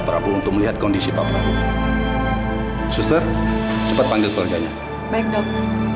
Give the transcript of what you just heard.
prabu untuk melihat kondisi pak prabu sister cepat panggil keluarganya baik dong